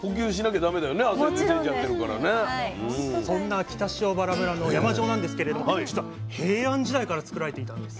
そんな北塩原村の山塩なんですけれども実は平安時代からつくられていたんです。